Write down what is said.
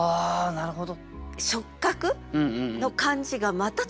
なるほど。